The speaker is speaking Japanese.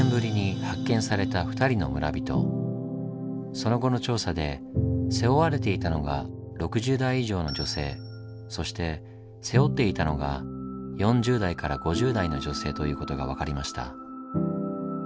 その後の調査で背負われていたのが６０代以上の女性そして背負っていたのが４０代５０代の女性ということが分かりました。